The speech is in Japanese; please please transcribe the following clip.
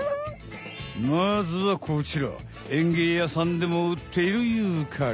まずはこちらえんげいやさんでもうっているユーカリ。